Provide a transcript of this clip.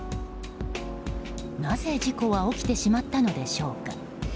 なぜ事故は起きてしまったのでしょうか。